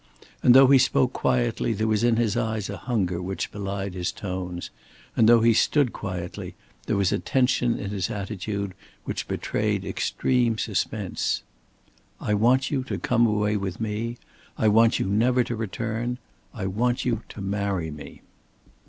And though he spoke quietly, there was in his eyes a hunger which belied his tones, and though he stood quietly, there was a tension in his attitude which betrayed extreme suspense. "I want you to come away with me, I want you never to return. I want you to marry me."